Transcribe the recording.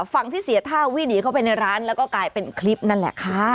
ฝั่งที่เสียท่าวิ่งหนีเข้าไปในร้านแล้วก็กลายเป็นคลิปนั่นแหละค่ะ